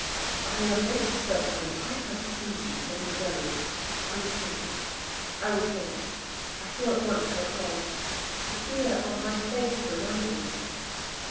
"I am made certain that I have seen you long ago. I will think, I will think." I saw at once how it was, the fear on my face reminded him.